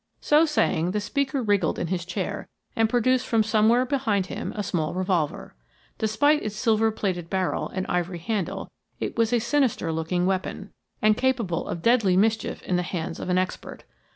So saying, the speaker wriggled in his chair, and produced from somewhere behind him a small revolver. Despite its silver plated barrel and ivory handle, it was a sinister looking weapon, and capable of deadly mischief in the hands of an expert.